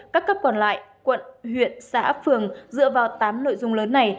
các cấp còn lại quận huyện xã phường dựa vào tám nội dung lớn này